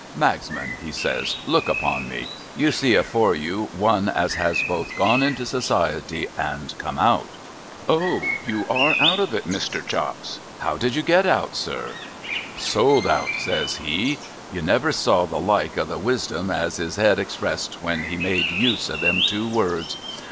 ' Magsman,' he says, ' look upon me ! You see afore you. One as has both gone into Society and come out.' ' O ! You are out of it, Mr. Chops ? How did you get out, sir ?' 193 GOING INTO SOCIETY ' Sold out !' says he. You never saw the like of the wisdom as his Ed expressed, when he made use of them two words.